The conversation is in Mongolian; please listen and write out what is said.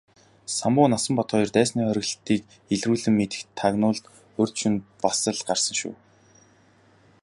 Самбуу Насанбат хоёр дайсны хориглолтыг илрүүлэн мэдэх тагнуулд урьд шөнө бас л гарсан шүү.